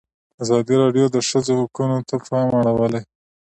ازادي راډیو د د ښځو حقونه ته پام اړولی.